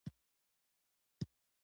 هېڅکله په داسې شرايطو کې مې نه بوه.